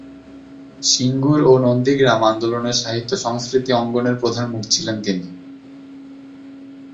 সিঙ্গুর ও নন্দীগ্রাম আন্দোলনের সাহিত্য সংস্কৃতি অঙ্গনের প্রধান মুখ ছিলেন তিনি।